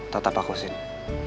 tetap aku sini